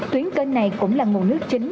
tuyến kênh này cũng là nguồn nước chính